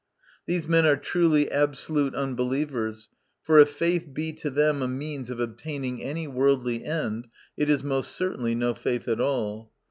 (These men are truly absolute unbelievers, for if faith be to them a means of obtaining any worldly end, it is most certainly no faith at all.)